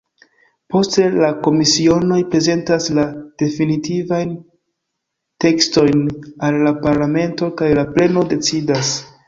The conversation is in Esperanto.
Poste la komisionoj prezentas la definitivajn tekstojn al la parlamento, kaj la pleno decidas.